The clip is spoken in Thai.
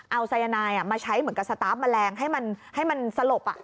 เอาสายนายมาใช้เหมือนกับสตาร์ฟแมลงให้มันสลบ